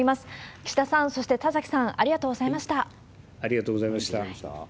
岸田さん、そして田崎さん、ありがとうございました。